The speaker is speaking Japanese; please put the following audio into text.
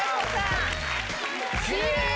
きれい！